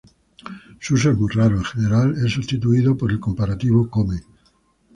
Su uso es muy raro, en general es sustituido por el comparativo "come".